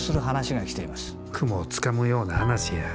雲をつかむような話や。